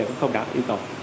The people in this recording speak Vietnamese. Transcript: cũng không đảm yêu cầu